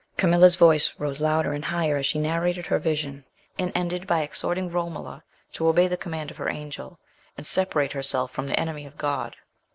Camilla's voice rose louder and higher as she narrated her vision, and ended by exhorting Romola to obey the command of her Angel, and separate herself from the enemy of God.